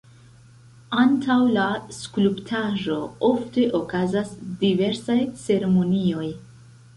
Antaŭ la skulptaĵo ofte okazas diversaj ceremonioj.